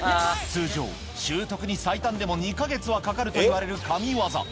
通常、習得に最短でも２か月はかかるといわれる神業。